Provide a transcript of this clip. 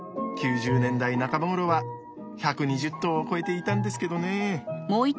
９０年代半ばごろは１２０頭を超えていたんですけどね。